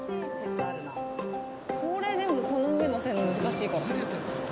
これ、でも、この上載せるの難しいから。